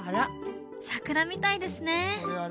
桜みたいですね